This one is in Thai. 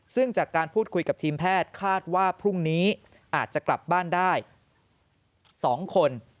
ซึ่งจากการพูดคุยกับทีมแพทย์คาดว่าพรุ่งนี้อาจจะกลับบ้านได้๒คน